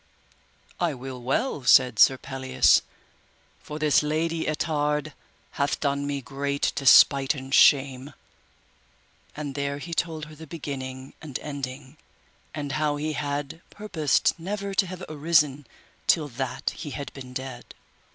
I will well, said Sir Pelleas, for this Lady Ettard hath done me great despite and shame, and there he told her the beginning and ending, and how he had purposed never to have arisen till that he had been dead.